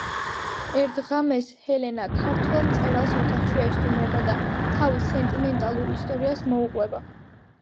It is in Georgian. ერთ ღამეს ჰელენა ქართველ მწერალს ოთახში ესტუმრება და თავის სენტიმენტალურ ისტორიას მოუყვება.